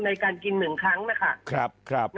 ในการกินหนึ่งครั้งนะค่ะครับครับ